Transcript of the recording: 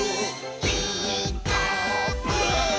「ピーカーブ！」